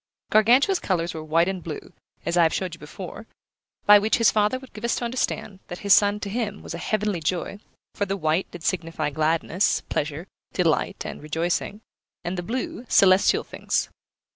Gargantua's colours were white and blue, as I have showed you before, by which his father would give us to understand that his son to him was a heavenly joy; for the white did signify gladness, pleasure, delight, and rejoicing, and the blue, celestial things.